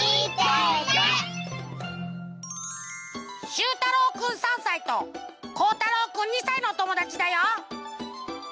しゅうたろうくん３さいとこうたろうくん２さいのおともだちだよ。